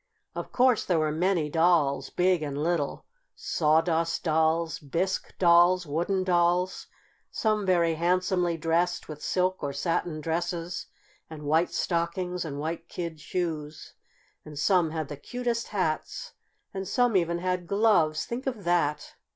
Of course there were many dolls, big and little Sawdust Dolls, Bisque Dolls, Wooden Dolls, some very handsomely dressed, with silk or satin dresses and white stockings and white kid shoes. And some had the cutest hats, and some even had gloves, think of that!